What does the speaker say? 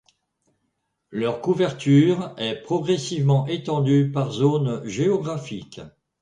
Leur couverture est progressivement étendue par zones géographiques.